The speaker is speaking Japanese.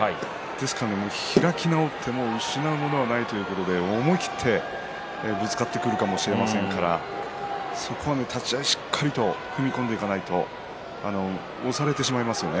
ですから開き直ってもう失うものはないということで思い切ってぶつかってくるかもしれませんからそこは立ち合いしっかりと踏み込んでいかないと押されてしまいますよね。